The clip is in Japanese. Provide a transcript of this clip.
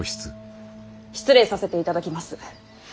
失礼させていただきます。